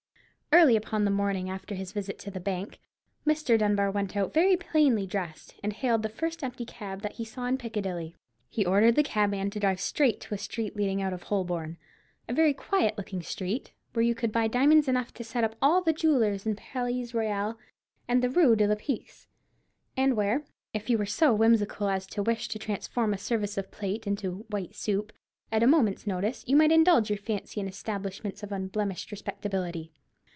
Early upon the morning after his visit to the bank, Mr. Dunbar went out very plainly dressed, and hailed the first empty cab that he saw in Piccadilly. He ordered the cabman to drive straight to a street leading out of Holborn, a very quiet looking street, where you could buy diamonds enough to set up all the jewellers in the Palais Royale and the Rue de la Paix, and where, if you were so whimsical as to wish to transform a service of plate into "white soup" at a moment's notice, you might indulge your fancy in establishments of unblemished respectability.